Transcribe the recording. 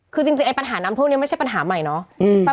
คือจริงไอ้ปัญหาน้ำท่วมนี้ไม่ใช่ปัญหาใหม่เนาะ